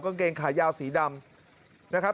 กระเกงขาไยาวสีดำ